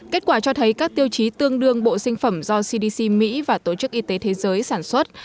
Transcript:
kết quả cho thấy các tiêu chí tương đương bộ sinh phẩm do cdc mỹ và tổ chức y tế thế giới sản xuất